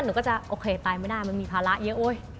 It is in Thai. หนูก็จะโอเคตายไม่ได้มันมีภาระเยอะโอ๊ย